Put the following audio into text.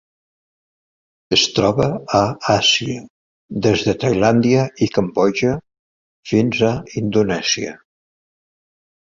Es troba a Àsia: des de Tailàndia i Cambodja fins a Indonèsia.